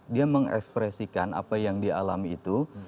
dia mengekspresikan apa yang dia alami itu